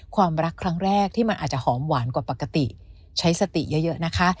ความรักครั้งแรกที่มันอาจจะหอมหวานกว่าปกติใช้สติเยอะนะคะ